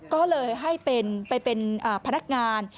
ก็เลยให้ไปเป็นพนักงาน